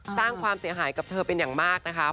สร้างความเสียหายกับเธอเป็นอย่างมากนะคะ